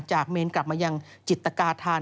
เมนกลับมายังจิตกาธาน